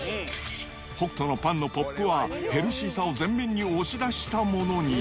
北斗のパンのポップは、ヘルシーさを前面に押し出したものに。